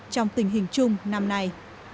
trong tình hình chung năm nay